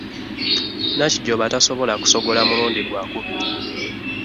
Nakijjoba tasobola kusogora mu lundi gwa kubiri.